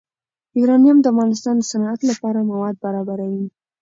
یورانیم د افغانستان د صنعت لپاره مواد برابروي.